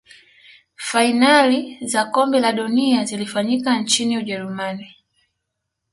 fainali za kombe la dunia zilifanyika nchini ujerumani